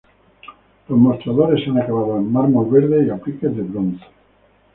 Los mostradores se han acabado en mármol verde y apliques de bronce.